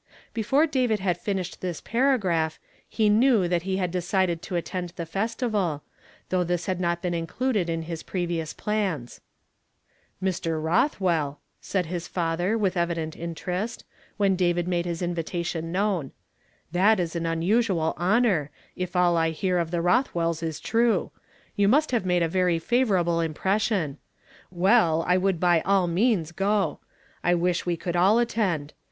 Before David had finished this paragraph, he knew that he had decided to attend the festival, thougli this had not been included in his previous plans. " Mr. Rothwell !" said his father, with evident interest, when David made his invitation known. " Tiiat is an unusual honor, if all I hear of the Rothwells is true ; you must have made a very favorable impression. Well, I would by all me is go: I wish we could all attend.